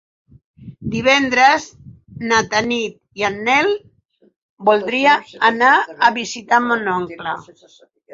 Divendres na Tanit i en Nel voldria anar a visitar mon oncle.